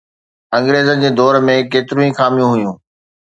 انگريزن جي دور ۾ ڪيتريون ئي خاميون هيون